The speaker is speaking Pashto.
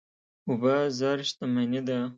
اوبه زر شتمني ده.